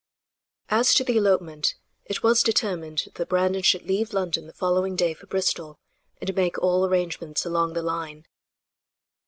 As to the elopement, it was determined that Brandon should leave London the following day for Bristol, and make all arrangements along the line.